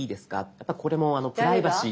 やっぱこれもプライバシー。